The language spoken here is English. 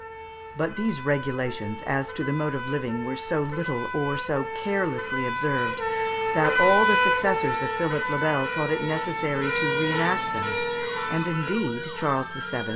] But these regulations as to the mode of living were so little or so carelessly observed, that all the successors of Philippe le Bel thought it necessary to re enact them, and, indeed, Charles VII.